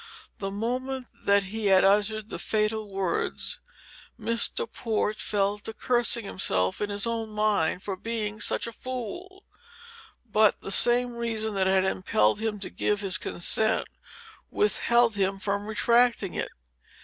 The moment that he had uttered the fatal words, Mr. Port fell to cursing himself in his own mind for being such a fool; but the same reason that had impelled him to give his consent withheld him from retracting it.